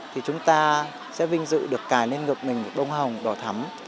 thì chúng ta sẽ vinh dự được cài lên ngực mình bông hồng đỏ thắm